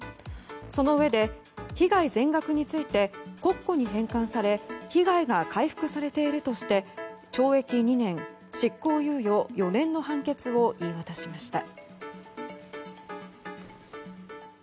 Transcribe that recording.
そのうえで、被害全額について国庫に返還され被害が回復されているとして懲役２年、執行猶予４年の判決を言い渡しました。